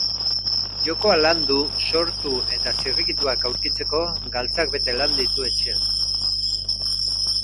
Jokoa landu, sortu eta zirrikituak aurkitzeko galtzak bete lan ditu etxean.